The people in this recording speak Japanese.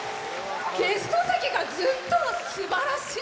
ゲスト席がずっと「すばらしい！」